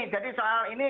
jadi soal ini